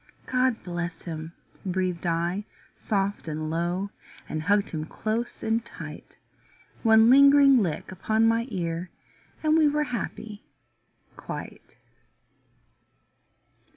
"God bless him," breathed I soft and low, And hugged him close and tight. One lingering lick upon my ear And we were happy quite.